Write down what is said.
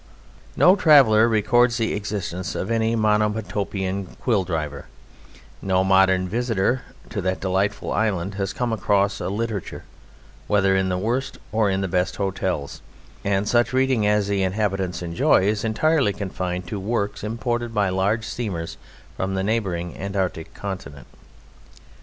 No traveller records the existence of any Monomotopan quill driver; no modern visitor to that delightful island has come across a littérateur whether in the worse or in the best hotels; and such reading as the inhabitants enjoy is entirely confined to works imported by large steamers from the neighbouring Antarctic Continent.